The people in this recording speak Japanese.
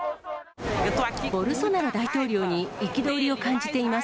ボルソナロ大統領に憤りを感じています。